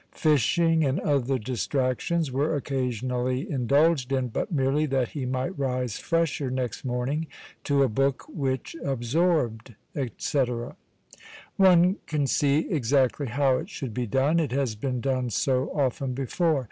Fishing and other distractions were occasionally indulged in, but merely that he might rise fresher next morning to a book which absorbed," etc. One can see exactly how it should be done, it has been done so often before.